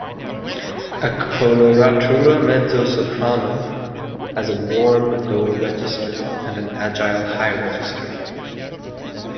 A coloratura mezzo-soprano has a warm lower register and an agile high register.